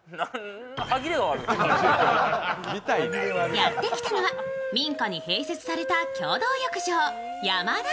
やってきたのは民家に併設された共同浴場、山田湯。